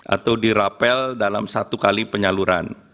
atau dirapel dalam satu kali penyaluran